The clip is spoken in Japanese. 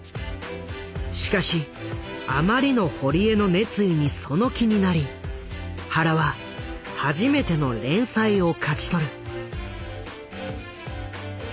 しかしあまりの堀江の熱意にその気になり原は初めての連載を勝ち取る。